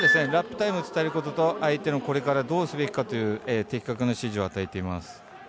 ラップタイム伝えることとこれからどうすべきかという的確な指示を与えています。